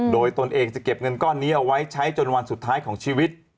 โดยตนเองจะเก็บเงินก้อนนี้เอาไว้ใช้จนวันสุดท้ายของชีวิต